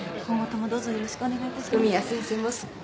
今後ともどうぞよろしくお願いいたします。